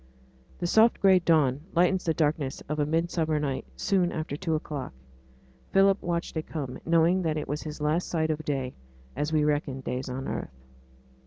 The soft gray dawn lightens the darkness of a midsummer night soon after two o'clock. Philip watched it come, knowing that it was his last sight of day, as we reckon days on earth.